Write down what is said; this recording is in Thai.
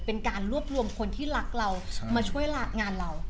เป็นการรวบรวมคนที่รักเรามาช่วยงานเรา